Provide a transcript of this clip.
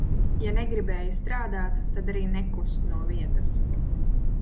Ja negribēja strādāt tad arī nekust no vietas.